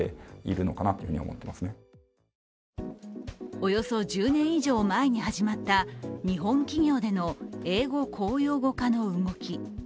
およそ１０年以上前に始まった日本企業での英語公用語化の動き。